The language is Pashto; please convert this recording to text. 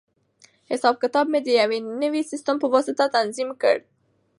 حساب کتاب مې د یوې نوې سیسټم په واسطه تنظیم کړ.